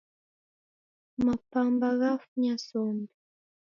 Mapamba ghafunya sombe